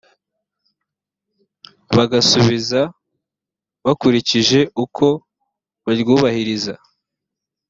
bagasubiza bakurikije uko baryubahiriza